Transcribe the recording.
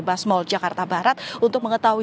basmol jakarta barat untuk mengetahui